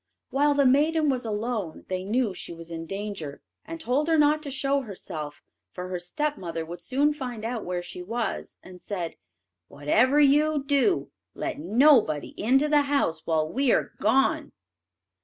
While the maiden was alone they knew she was in danger, and told her not to show herself, for her stepmother would soon find out where she was, and said, "Whatever you do, let nobody into the house while we are gone."